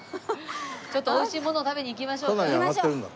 ちょっとおいしいものを食べに行きましょう。